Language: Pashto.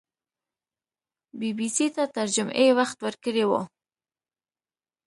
بي بي سي ته تر جمعې وخت ورکړی وو